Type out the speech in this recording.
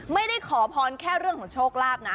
ไม่ได้ขอพรแค่เรื่องของโชคลาภนะ